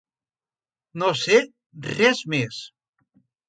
No sé, res més.